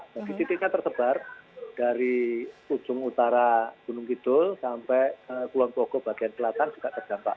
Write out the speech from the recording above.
jadi titiknya tersebar dari ujung utara gunung kidul sampai pulau ngoko bagian selatan juga terdampak